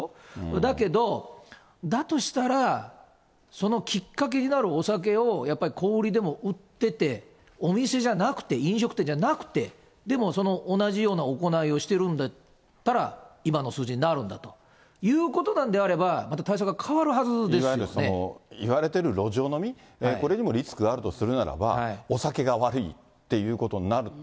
だけど、だとしたら、そのきっかけになるお酒をやっぱり小売りでも売ってて、お店じゃなくて、飲食店じゃなくて、でもその同じような行いをしてるんだったら、今の数字になるんだということなんであれば、いわゆるその、言われてる路上飲み、これにもリスクがあるとするならば、お酒が悪いっていうことになると。